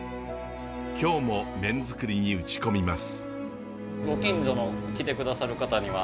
今日も麺づくりに打ち込みます。